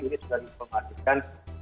ini sudah disampaikan